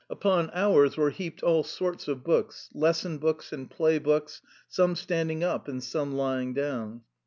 Upon ours were heaped all sorts of books lesson books and play books some standing up and some lying down.